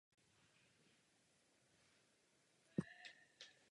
Některé scény se přímo natáčely v skutečných věznicích v Břeclavi a Pardubicích.